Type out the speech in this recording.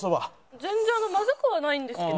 全然まずくはないんですけど。